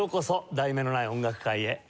『題名のない音楽会』へ。